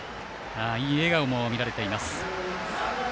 いい笑顔も見られています。